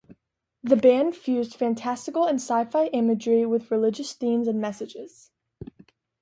The band fused fantastical and sci-fi imagery with religious themes and messages.